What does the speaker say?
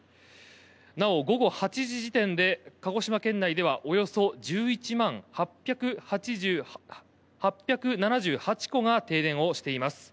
なお午後８時時点で鹿児島県内ではおよそ１１万８７８戸が停電しています。